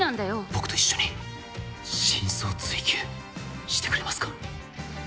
僕と一緒に真相追及してくれますか。